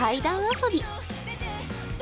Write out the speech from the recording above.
遊び。